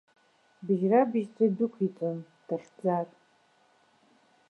Бжьра-быжьҵәа идәықәиҵон, дахьӡар.